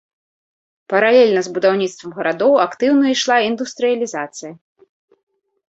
Паралельна з будаўніцтвам гарадоў актыўна ішла індустрыялізацыя.